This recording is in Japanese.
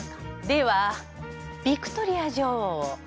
ではビクトリア女王を。